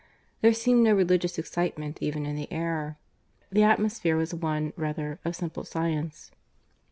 There seemed no religious excitement even in the air; the atmosphere was one, rather, of simple science.